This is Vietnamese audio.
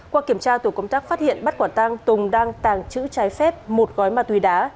qua kiểm tra tổ công tác phát hiện bắt quả tang tùng đang tàng trữ trái phép một gói ma túy đá